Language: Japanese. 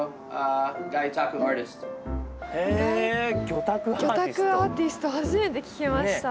魚拓アーティスト初めて聞きました。